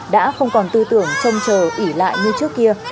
đã không còn tư tưởng trông chờ ỉ lại như trước kia